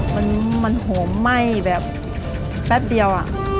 มันโหมไหม้แบบแป๊บเดียว